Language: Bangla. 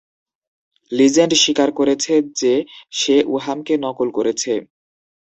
লিজেন্ড স্বীকার করেছে যে সে উহামকে নকল করেছে!